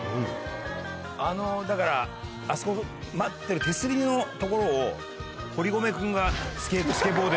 あのだからあそこ待ってる手すりの所を堀米君がスケボーで。